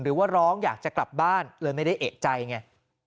หรือว่าร้องอยากจะกลับบ้านเลยไม่ได้เอกใจไง